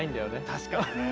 確かにね。